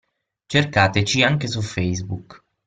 Cercateci anche su Facebook.